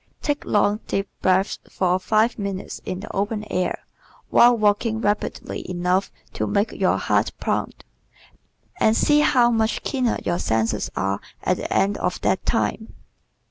Take long, deep breaths for five minutes in the open air while walking rapidly enough to make your heart pound, and see how much keener your senses are at the end of that time.